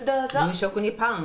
夕食にパン？